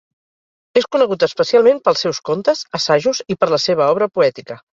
És conegut especialment pels seus contes, assajos i per la seva obra poètica.